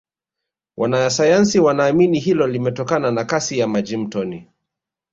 wanasayansi wanaamini hilo limetokana na Kasi ya maji mtoni